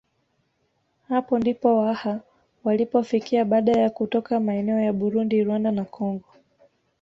Hapo ndipo Waha walipofikia baada ya kutoka maeneo ya Burundi Rwanda na Kongo